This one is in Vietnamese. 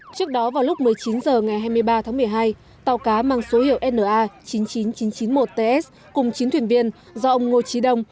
trước đó vào lúc một mươi chín h ngày hai mươi ba tháng một mươi hai tàu cá mang số hiệu na chín mươi chín nghìn chín trăm chín mươi một ts cùng chín thuyền viên do ông ngô trí đông